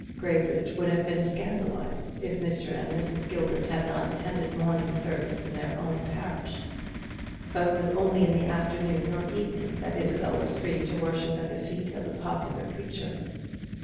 Graybridge would have been scandalized if Mr. and Mrs. Gilbert had not attended morning service in their own parish; so it was only in the afternoon or evening that Isabel was free to worship at the feet of the popular preacher.